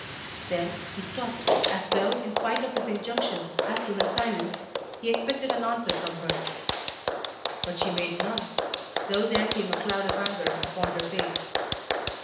Then he stopped, as though in spite of his injunction as to her silence he expected an answer from her. But she made none, though there came a cloud of anger upon her face.